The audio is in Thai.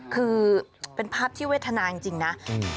คือเป็นภาพที่เวทนาจริงนะ